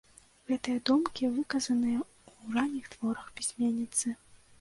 Гэтыя думкі выказаныя ў ранніх творах пісьменніцы.